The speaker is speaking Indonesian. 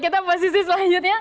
kita posisi selanjutnya